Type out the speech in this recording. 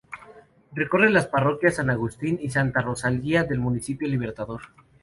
Recorre las parroquias San Agustín y Santa Rosalía del Municipio Libertador.